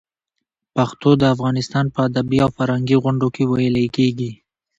پښتو د افغانستان په ادبي او فرهنګي غونډو کې ویلې کېږي.